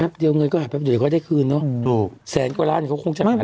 แป๊บเดี๋ยวเงินก็หายไปแป๊บเดี๋ยวเขาได้คืนเนอะแสนกว่าล้านเขาคงจะหายเร็ว